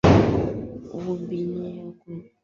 Rubani anakimbia